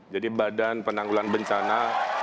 jadi badan penanggulan bencana